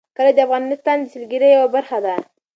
کلي د افغانستان د سیلګرۍ یوه برخه ده.